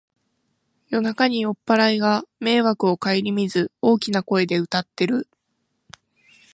夜中に酔っぱらいが迷惑をかえりみず大きな声で歌ってる